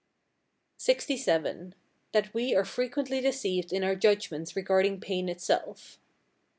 LXVII. That we are frequently deceived in our judgments regarding pain itself.